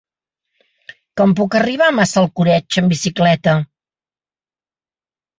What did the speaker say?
Com puc arribar a Massalcoreig amb bicicleta?